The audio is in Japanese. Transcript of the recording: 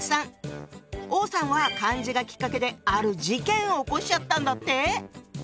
王さんは漢字がきっかけである事件を起こしちゃったんだって。